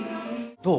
どう？